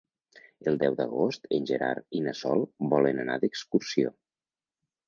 El deu d'agost en Gerard i na Sol volen anar d'excursió.